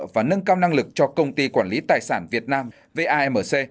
và nâng cao năng lực cho công ty quản lý tài sản việt nam vamc